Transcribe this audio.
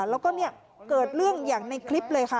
แล้วก็เกิดเรื่องอย่างในคลิปเลยค่ะ